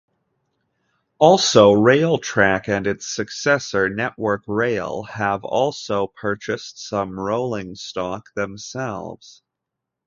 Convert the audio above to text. Also, Railtrack and its successor Network Rail have also purchased some rolling stock themselves.